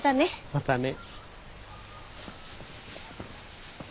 またね。